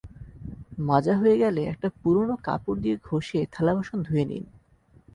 মাজা হয়ে গেলে একটা পুরোনো কাপড় দিয়ে ঘষে থালা-বাসন ধুয়ে নিন।